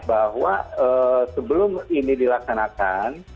bahwa sebelum ini dilaksanakan